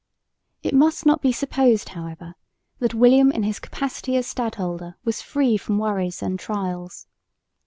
It must not be supposed, however, that William in his capacity as stadholder was free from worries and trials.